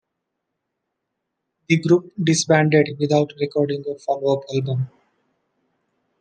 The group disbanded without recording a follow-up album.